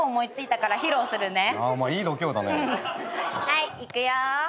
はいいくよ。